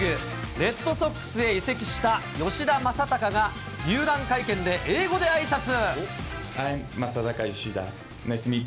レッドソックスへ移籍した吉田正尚が、入団会見で英語であいさつ。